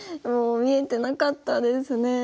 もう見えてなかったですね。